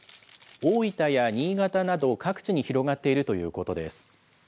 大分や新潟など、各地に広がっているということです。